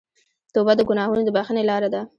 توبه د ګناهونو د بخښنې لاره ده.